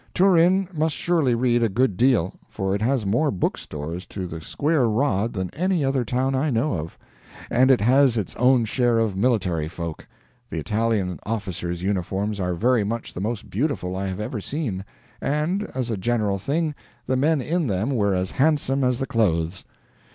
Turin must surely read a good deal, for it has more book stores to the square rod than any other town I know of. And it has its own share of military folk. The Italian officers' uniforms are very much the most beautiful I have ever seen; and, as a general thing, the men in them were as handsome as the clothes.